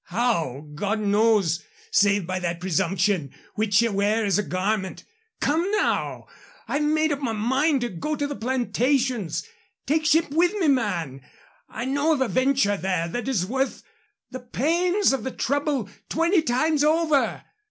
How, God knows, save by that presumption which ye wear as a garment. Come, now, I've made up my mind to go to the Plantations. Take ship with me, man. I know of a venture there that is worth the pains of the trouble twenty times over.